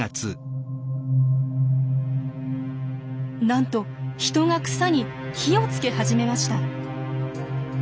なんと人が草に火をつけ始めました。